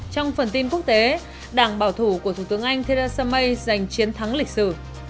trong phần tin quốc tế đảng bảo thủ của thủ tướng anh theresa may giành chiến thắng lịch sử